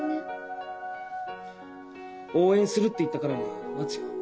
応援するって言ったからには待つよ。